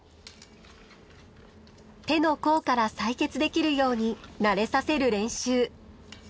手の甲から採血できるように慣れさせる練習。